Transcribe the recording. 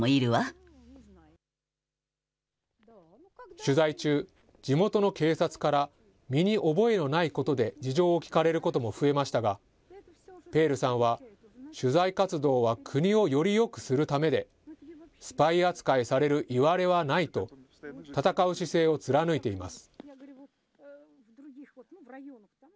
取材中、地元の警察から、身に覚えのないことで事情を聴かれることも増えましたが、ペールさんは、取材活動は国をよりよくするためで、スパイ扱いされるいわれはないと、戦う姿勢を貫いています。